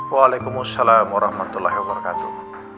waalaikumsalam warahmatullahi wabarakatuh